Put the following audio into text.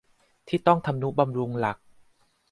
ที่ต้องทำนุบำรุงหลัก